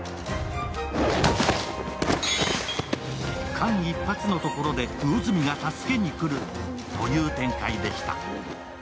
間一髪のところで魚住が助けに来るという展開でした。